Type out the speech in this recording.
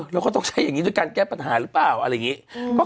เราก็ต้องใช้อย่างนี้ด้วยการแก้ปัญหาหรือเปล่าอะไรอย่างนี้